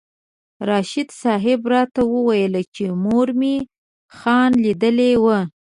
راشد صاحب راته وویل چې مور مې خان لیدلی و.